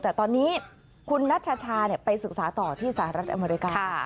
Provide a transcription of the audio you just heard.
แต่ตอนนี้คุณนัชชาไปศึกษาต่อที่สหรัฐอเมริกา